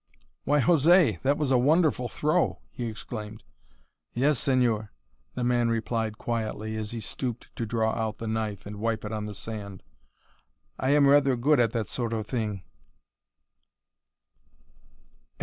"Why, José, that was a wonderful throw!" he exclaimed. "Yes, señor," the man replied quietly, as he stooped to draw out the knife and wipe it on the sand, "I am rather good at that sort of thing."